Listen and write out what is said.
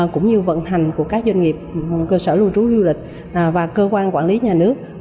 cũng như vận hành của các doanh nghiệp cơ sở lưu trú du lịch và cơ quan quản lý nhà nước